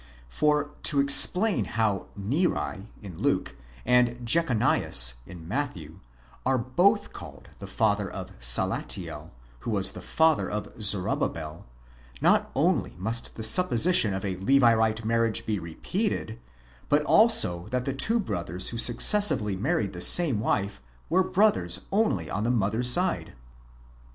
For to explain how Neri in Luke, and Jechonias in Matthew, are both called the father of Salathiel, who was the father of Zorobabel ;—not only must the supposition of the Levirate marriage be repeated, but also that the two brothers who successively married the same wife, were brothers only on the mother's side.